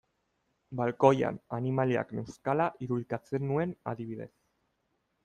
Balkoian animaliak neuzkala irudikatzen nuen adibidez.